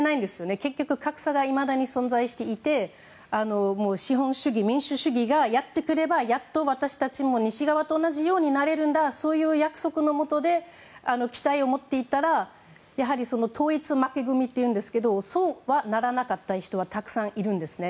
結局格差がいまだに存在していて資本主義、民主主義がやってくればやっと私たちも西側と同じようになれるんだという約束のもとで期待を持っていたらやはり統一負け組というんですけどそうはならなかった人はたくさんいるんですね。